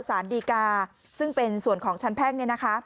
สารดีกาซึ่งเป็นส่วนของชั้นแพ่ง